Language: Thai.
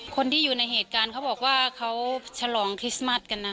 คนที่อยู่ในเหตุการณ์เขาบอกว่าเขาฉลองคริสต์มัสกันนะ